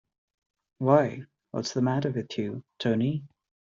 Why, what's the matter with you, Tony?